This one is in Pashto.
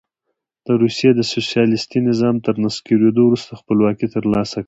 د روسیې د سوسیالیستي نظام تر نسکورېدو وروسته خپلواکي ترلاسه کړه.